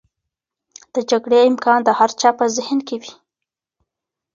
د جګړې امکان د هر چا په ذهن کې و.